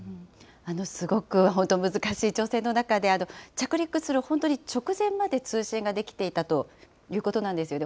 すごく本当、難しい挑戦の中で、着陸する本当に直前まで通信ができていたということなんですよね。